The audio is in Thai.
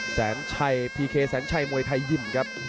แสนชัยพีเคแสนชัยมวยไทยยิ่มครับ